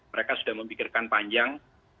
mereka sudah memikirkan panjang